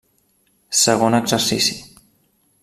Segon exercici: